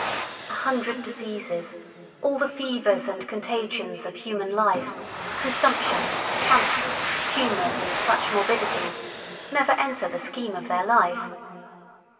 A hundred diseases, all the fevers and contagions of human life, consumption, cancers, tumours and such morbidities, never enter the scheme of their life.